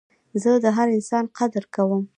زه د هر انسان قدر کوم.